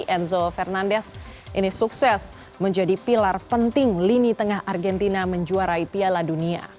enzo fernandes ini sukses menjadi pilar penting lini tengah argentina menjuarai piala dunia